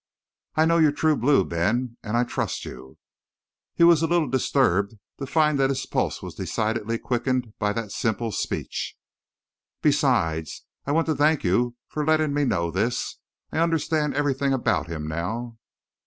"I know you're true blue, Ben! And I trust you." He was a little disturbed to find that his pulse was decidedly quickened by that simple speech. "Besides, I want to thank you for letting me know this. I understand everything about him now!"